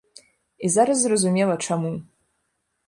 І зараз зразумела, чаму.